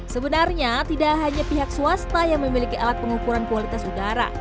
sebenarnya tidak hanya pihak swasta yang memiliki alat pengukuran kualitas udara